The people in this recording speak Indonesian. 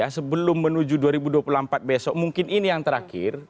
sebelum menuju dua ribu dua puluh empat besok mungkin ini yang terakhir